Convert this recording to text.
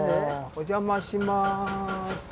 お邪魔します。